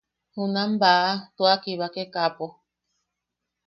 Junam baʼa tua kibakekaʼapo.